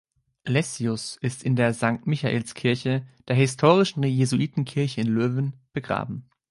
Lessius ist in der St. Michaelskirche, der historischen Jesuitenkirche in Löwen, begraben.